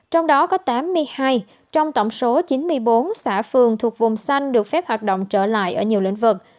trong đó có tám mươi hai trong tổng số chín mươi bốn xã phường thuộc vùng xanh được phép hoạt động trở lại ở nhiều lĩnh vực